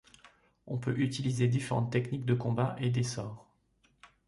On peut utiliser différentes techniques de combats et des sorts.